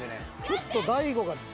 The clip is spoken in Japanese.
［ちょっと大悟が］